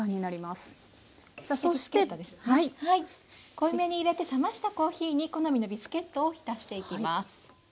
濃いめにいれて冷ましたコーヒーに好みのビスケットを浸していきます。